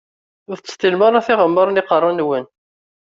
Ur tettseṭṭilem ara tiɣemmaṛ n iqeṛṛa-nwen.